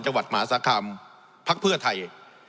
จังหวัดหมาสาขามภักดิ์เพื่อไทย